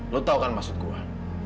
lo tau kan maksud gue